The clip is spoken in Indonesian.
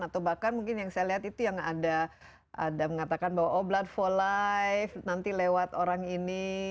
atau bahkan mungkin yang saya lihat itu yang ada mengatakan bahwa oh blood for life nanti lewat orang ini